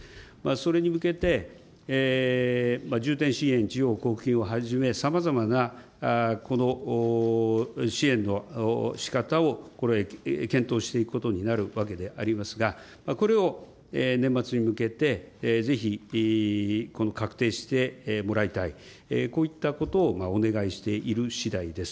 それに向けて、重点支援地方交付金をはじめ、さまざまなこの支援のしかたを検討していくことになるわけでありますが、これを年末に向けて、ぜひこの確定してもらいたい、こういったことをお願いしているしだいです。